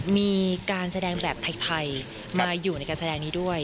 มีการแสดงแบบไทยมาอยู่ในการแสดงนี้ด้วย